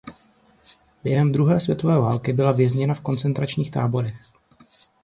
Během druhé světové války byla vězněna v koncentračních táborech.